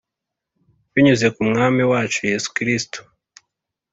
binyuze ku Mwami wacu Yesu Kristo